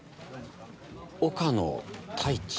岡野太一？